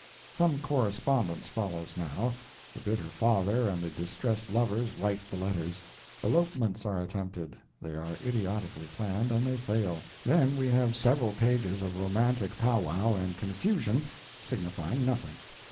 Some correspondence follows now. The bitter father and the distressed lovers write the letters. Elopements are attempted. They are idiotically planned, and they fail. Then we have several pages of romantic powwow and confusion signifying nothing.